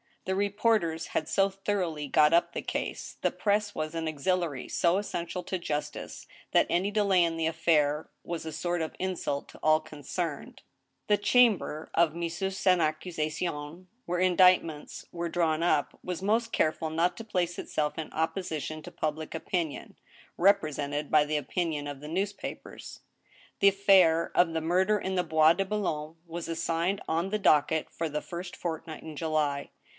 The reporters had so thoroughly got up the case, the press was an auxiliary so essential to justice, that any delay in the affair was a sort of insult to all concfemed. THE TRIAL, 1 83 The chamber of Mises en Accusation^ where indictments were drawn up, was most careful not to place itself in opposition to public opinion, represented by the opinion of the newspapers. The affair of the murder in the Bois de Boulogne was assigned on the docket for the first fortnight in July.